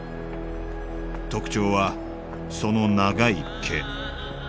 特徴はその長い毛。